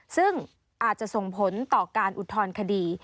ซึ่งอาจจะส่งผลต่อการอุทธรณคดี